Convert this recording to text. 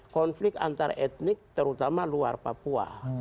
konflik antar etnik terutama luar papua